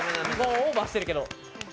オーバーしてるけど。